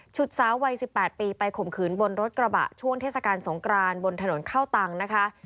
สาววัย๑๘ปีไปข่มขืนบนรถกระบะช่วงเทศกาลสงกรานบนถนนเข้าตังค์นะคะ